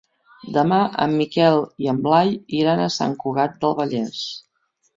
Demà en Miquel i en Blai iran a Sant Cugat del Vallès.